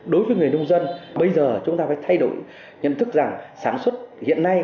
đối với người nông dân bây giờ chúng ta phải thay đổi nhận thức rằng sản xuất hiện nay